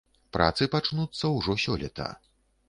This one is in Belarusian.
Працы пачнуцца ўжо сёлета.